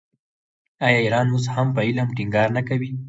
آیا ایران اوس هم په علم ټینګار نه کوي؟